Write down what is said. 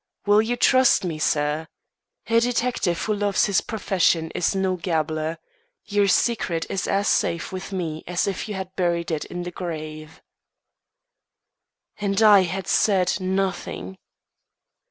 Will you trust me, sir? A detective who loves his profession is no gabbler. Your secret is as safe with me as if you had buried it in the grave." And I had said nothing!